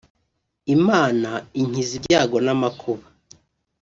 Imana inkiza ibyago n’amakuba